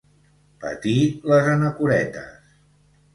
Patir les anacoretes.